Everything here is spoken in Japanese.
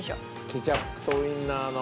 ケチャップとウィンナーの。